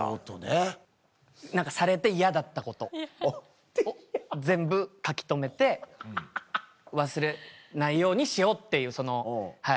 何かされて嫌だったことを全部書き留めて忘れないようにしようっていうそのはい。